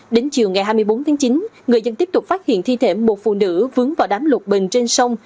đến chiều ngày hai mươi bốn tháng chín người dân tiếp tục phát hiện thi thể một phụ nữ vướng vào đám lục bình trên sông